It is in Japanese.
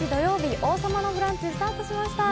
「王様のブランチ」スタートしました。